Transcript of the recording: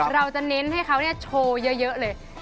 เราจะเน้นให้เขาโชว์เยอะเลย